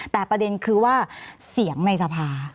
แต่ประเด็นคือว่าเสียงในสภา